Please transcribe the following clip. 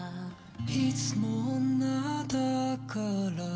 「いつも女だから」